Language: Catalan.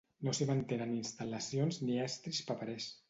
No s'hi mantenen instal·lacions ni estris paperers.